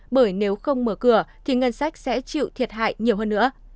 bởi nếu không mở cửa thì ngân sách sẽ chịu thiệt hại nhiều hơn nữa